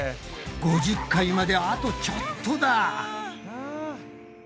５０回まであとちょっとだ。